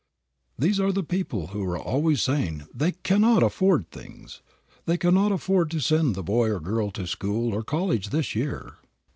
These are the people who are always saying they "cannot afford" things. They cannot afford to send the boy or girl to school or college this year.